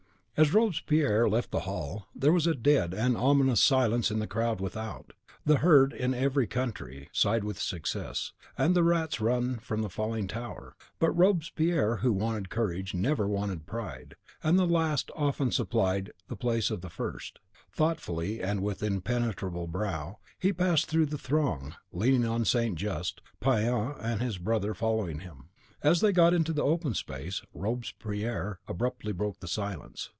As Robespierre left the hall, there was a dead and ominous silence in the crowd without. The herd, in every country, side with success; and the rats run from the falling tower. But Robespierre, who wanted courage, never wanted pride, and the last often supplied the place of the first; thoughtfully, and with an impenetrable brow, he passed through the throng, leaning on St. Just, Payan and his brother following him. As they got into the open space, Robespierre abruptly broke the silence.